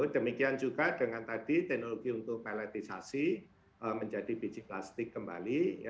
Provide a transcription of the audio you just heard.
demikian juga dengan tadi teknologi untuk peletisasi menjadi biji plastik kembali